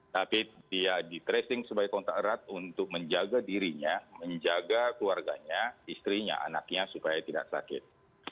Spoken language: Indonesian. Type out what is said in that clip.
tapi dia di tracing sebagai kontak erat untuk menjaga dirinya menjaga keluarganya istrinya anaknya supaya tidak sakit